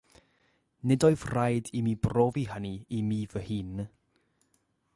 Nid oedd raid i mi brofi hynny i mi fy hun.